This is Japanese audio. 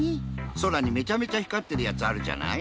そらにめちゃめちゃ光ってるやつあるじゃない？